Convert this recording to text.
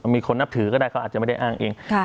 มีคนนับถือก็ได้เขาอาจจะไม่ได้อ้างเอง